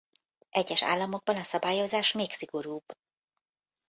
Egyes államokban a szabályozás még szigorúbb.